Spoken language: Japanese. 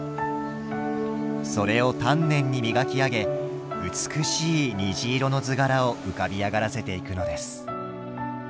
それを丹念に磨き上げ美しい虹色の図柄を浮かび上がらせていくのです。